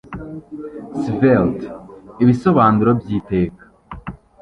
svelte ibisobanuro byiteka